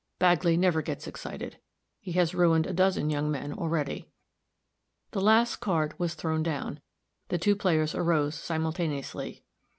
Bagley never gets excited. He has ruined a dozen young men already." The last card was thrown down; the two players arose simultaneously.